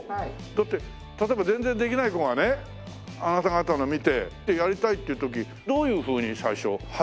だって例えば全然できない子がねあなた方の見てやりたいっていった時どういうふうに最初入ればいいの？